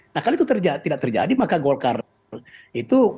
nah kalau itu tidak terjadi maka golkar itu